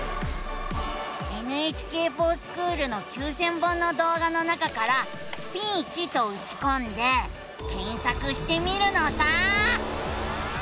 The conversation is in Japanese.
「ＮＨＫｆｏｒＳｃｈｏｏｌ」の９，０００本の動画の中から「スピーチ」とうちこんで検索してみるのさ！